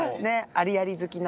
ありあり好きの。